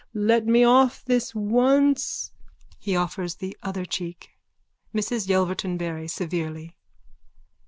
Let me off this once. (He offers the other cheek.) MRS YELVERTON BARRY: _(Severely.)